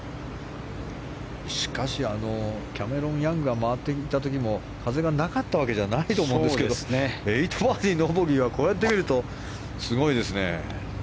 しかし、キャメロン・ヤングが回っていた時も風がなかったわけじゃないと思うんですけど８バーディー、ノーボギーはこうやって見るとすごいですね。